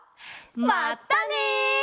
まったね！